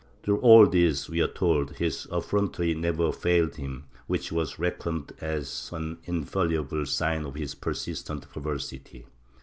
Through all this, we are told, his effrontery never failed him, which was reckoned as an infallible sign of his persistent perversity.